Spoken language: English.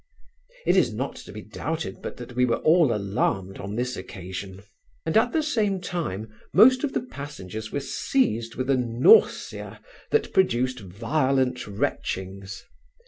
It is not to be doubted but that we were all alarmed on this occasion. And at the same time, most of the passengers were seized with a nausea that produced violent retchings.